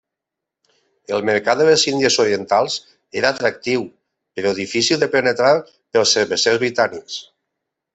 El mercat les Índies Orientals era atractiu però difícil de penetrar pels cervesers britànics.